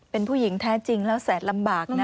เป็นผู้หญิงแท้จริงแล้วแสบลำบากนะ